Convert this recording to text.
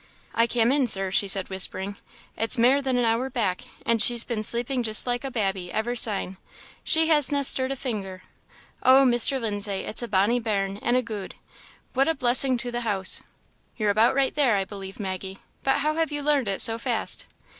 "I cam in, Sir," she said, whispering "it's mair than an hour back, and she's been sleeping just like a babby ever syne; she hasna stirred a finger. O, Mr. Lindsay, it's a bonny bairn, and a gude. What a blessing to the house!" "You're about right there, I believe, Maggie; but how have you learned it so fast?"